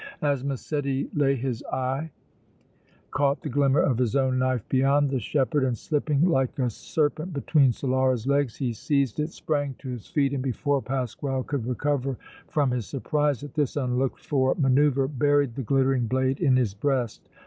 As Massetti lay his eye caught the glimmer of his own knife beyond the shepherd and slipping like a serpent between Solara's legs he seized it, sprang to his feet and, before Pasquale could recover from his surprise at this unlooked for manoeuvre, buried the glittering blade in his breast.